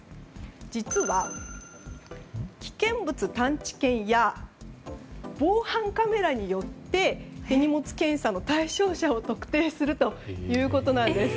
実は危険物探知犬や防犯カメラによって手荷物検査の対象者を特定するということなんです。